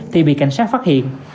thì bị cảnh sát phát hiện